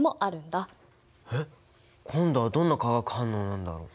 えっ今度はどんな化学反応なんだろう？